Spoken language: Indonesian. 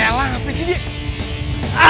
elang apa sih dia